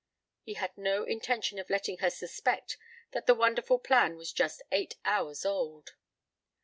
He had no intention of letting her suspect that the wonderful plan was just eight hours old.